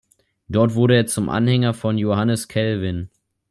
Dort wurde er zum Anhänger von Johannes Calvin.